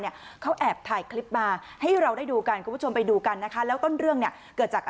อ๋อไม่ต้องมาหาพวกหาพวกอะไรคุณไม่ได้ใช้แม่คุณไม่ได้ใช้โลกคุณด้วยคุณพูดไหม